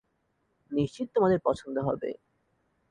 নিশ্চিত তোমাদের পছন্দ হবে।